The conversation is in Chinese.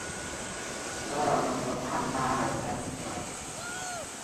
索尔河畔巴尔赞库尔。